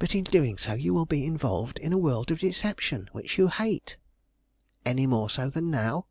"But in so doing you will be involved in a world of deception which you hate." "Any more so than now?"